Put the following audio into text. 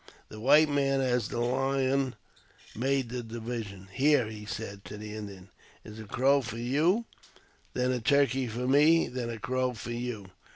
The white man as the lion made the division. •' Here," he said to the Indian, " is a crow for jou, then a turkey for me, then a crow for you."